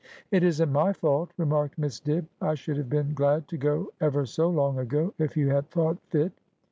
' It isn't my fault,' remarked Miss Dibb ;' I should have been glad to go ever so long ago, if you had thought fit.'